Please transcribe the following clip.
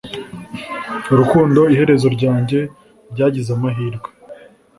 urukundo, iherezo ryanjye ryagize amahirwe